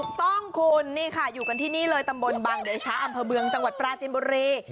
ถูกต้องคุณนี่ค่ะอยู่กันที่นี่เลยตำบลบังเดชะอำเภอเมืองจังหวัดปราจินบุรี